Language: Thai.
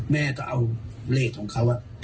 แม่ก็เอาเลขของเขา